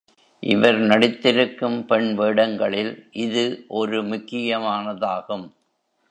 இவர் நடித்திருக்கும் பெண் வேடங்களில் இது ஒரு முக்கியமானதாகும்.